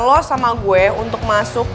lo sama gue untuk masuk